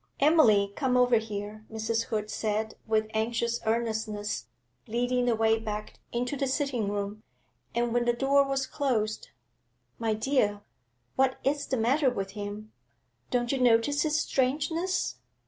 'Emily, come here,' Mrs. Hood said, with anxious earnestness, leading the way back into the sitting room. And, when the door was closed 'My dear, what is the matter with him? Don't you notice his strangeness?'